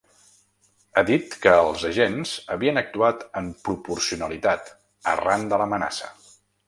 Ha dit que els agents havien actuat amb ‘proporcionalitat’ arran de l’amenaça.